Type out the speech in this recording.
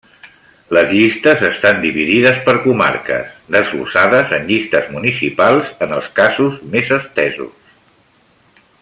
Les llistes estan dividides per comarques, desglossades en llistes municipals en els casos més estesos.